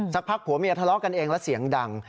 สักพักผัวเมียทะเลาะกันเองแล้วเสียงดัง